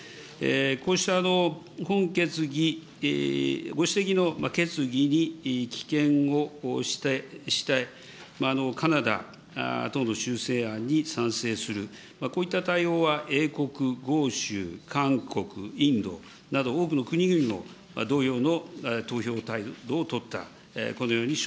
こうした本決議、ご指摘の決議に棄権をして、カナダ等の修正案に賛成する、こういった対応は英国、豪州、韓国、インドなど多くの国々も同様の投票態度を取った。